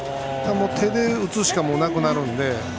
手で打つしかなくなるので。